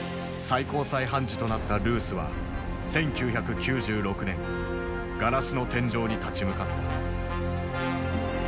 最高裁判事となったルースは１９９６年ガラスの天井に立ち向かった。